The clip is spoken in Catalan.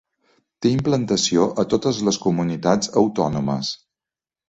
Té implantació a totes les comunitats autònomes.